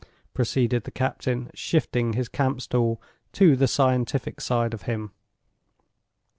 proceeded the captain, shifting the camp stool to the scientific side of him.